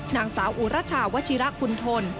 นางสาวอุรชาวชิระคุณทน